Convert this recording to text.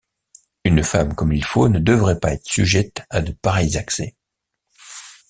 Une femme comme il faut ne devrait pas être sujette à de pareils accès!...